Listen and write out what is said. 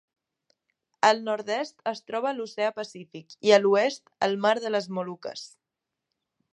Al nord-est es troba l’oceà Pacífic i a l'oest el mar de les Moluques.